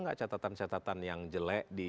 nggak catatan catatan yang jelek di